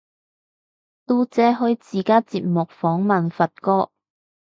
嘟姐開自家節目訪問發哥